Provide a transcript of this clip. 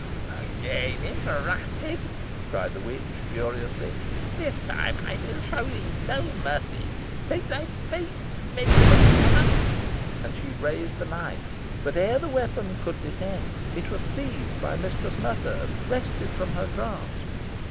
"Again interrupted!" cried the witch, furiously. "This time I will show thee no mercy. Take thy fate, meddlesome woman!" And she raised the knife, but ere the weapon could descend, it was seized by Mistress Nutter, and wrested from her grasp.